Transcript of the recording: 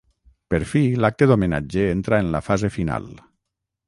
Per fi, l'acte d'homenatge entra en la fase final.